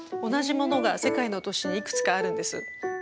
同じものが世界の都市にいくつかあるんです。